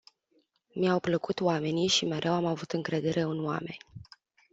Mi-au plăcut oamenii și mereu am avut încredere în oameni.